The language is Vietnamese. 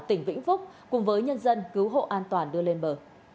tỉnh vĩnh phúc cùng với nhân dân cứu hộ an toàn đưa lên bờ